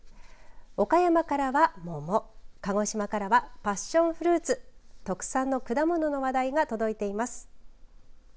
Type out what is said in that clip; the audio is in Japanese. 岡山からは桃鹿児島からはパッションフルーツ特産の果物の話題が届いています。